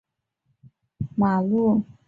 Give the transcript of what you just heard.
伯先路最初的名称是南马路。